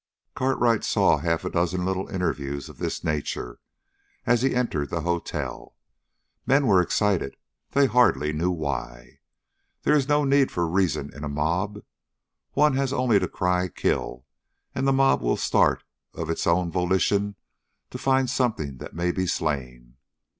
Cartwright saw half a dozen little interviews of this nature, as he entered the hotel. Men were excited, they hardly knew why. There is no need for reason in a mob. One has only to cry, "Kill!" and the mob will start of its own volition to find something that may be slain.